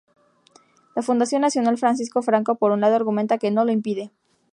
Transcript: La Fundación Nacional Francisco Franco por un lado argumenta que no lo impide.